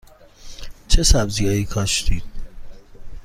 چه سبزی هایی کاشتی؟